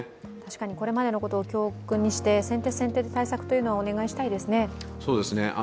これまでのことを教訓にして、先手先手で対策をお願いしたいですね。